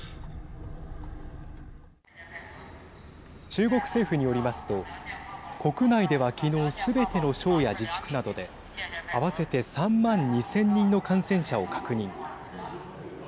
中国政府によりますと国内では昨日すべての省や自治区などで合わせて３万２０００人の感染者を確認。